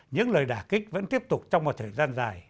những lời đả kích vẫn tiếp tục trong một thời gian dài